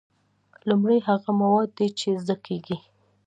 لومړی هغه مواد دي چې زده کیږي.